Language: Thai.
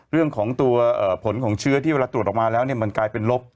เรื่องของตัวผลของเชื้อที่เวลาตรวจออกมาแล้วมันกลายเป็นลบ